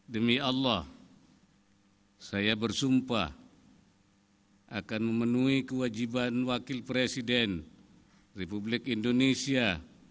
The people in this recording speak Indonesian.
demi allah saya bersumpah akan memenuhi kewajiban wakil presiden republik indonesia